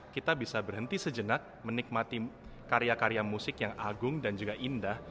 kita bisa berhenti sejenak menikmati karya karya musik yang agung dan juga indah